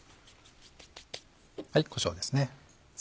こしょうです。